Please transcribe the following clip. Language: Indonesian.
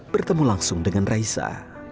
bertemu langsung dengan raisa